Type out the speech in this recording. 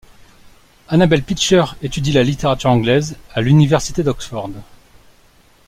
Annabel Pitcher étudie la littérature anglaise à l'université d'Oxford.